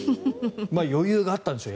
余裕があったんでしょう。